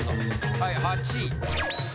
はい８位。